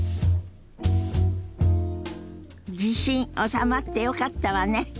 地震収まってよかったわね。